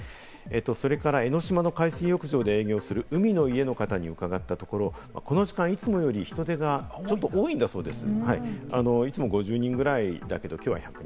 それから江の島の海水浴場で営業する海の家の方に伺ったところ、この時間いつもより人出がちょっと多いんだそうです。